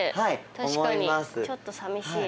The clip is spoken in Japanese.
確かにちょっと寂しい。